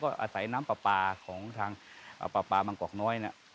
ก็อาศัยน้ำปลาของทางปลาบางกอกน้อยนะ